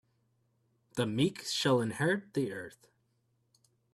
The meek shall inherit the earth.